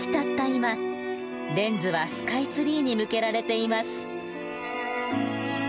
今レンズはスカイツリーに向けられています。